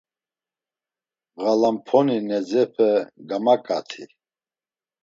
Ğalamponi nedzepe gamaǩati.